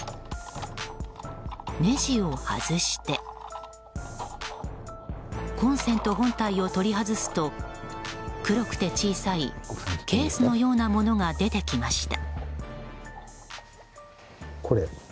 ねじを外してコンセント本体を取り外すと黒くて小さいケースのようなものが出てきました。